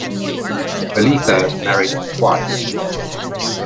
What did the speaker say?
Bolitho married twice.